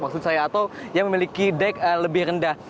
maksud saya atau yang memiliki dek lebih rendah